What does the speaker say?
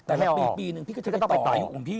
แต่ปีหนึ่งพี่ก็จะไปต่อให้ผมพี่